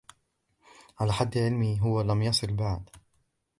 على حد علمي ، هو لم يصلْ بعد.